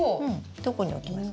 どこに置きますか？